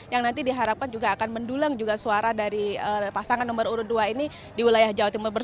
yang nanti diharapkan juga akan mendulang juga suara dari pasangan nomor urut dua ini di wilayah jawa timur